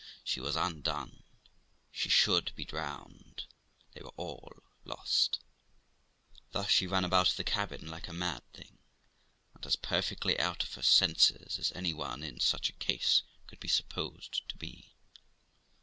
she was undone! she should be drowned ! they were all lost ! Thus she ran about the cabin like a mad thing, and as perfectly out of her senses as any one in such a case could be supposed to be.